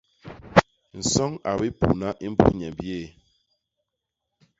Nsoñ a bipuna i mbus nyemb yéé.